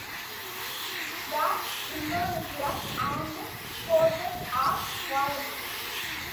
The Indonesian armed forces are voluntary.